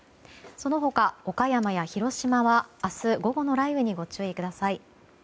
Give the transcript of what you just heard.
その他岡山や広島は明日午後雷雨にご注意ください。